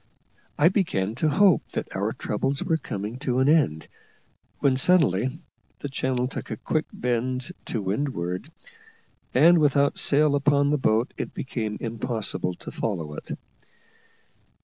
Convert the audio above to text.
I began to hope that our troubles were coming to an end, when suddenly the channel took a quick bend to windward, and without sail upon the boat it became impossible to follow it.